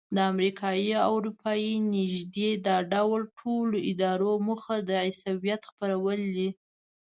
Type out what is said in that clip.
د امریکایي او اروپایي نږدې دا ډول ټولو ادارو موخه د عیسویت خپرول دي.